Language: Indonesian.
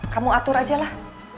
kamu atur aja lah